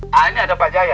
nah ini ada pak jaya